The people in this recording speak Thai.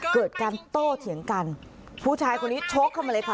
เกิดการโต้เถียงกันผู้ชายคนนี้โชคเข้ามาเลยค่ะ